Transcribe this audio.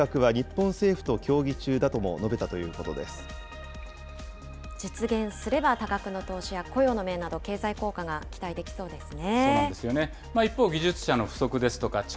計画は日本政府と協議中だとも述実現すれば、多額の投資や雇用の面など、経済効果が期待できそうですね。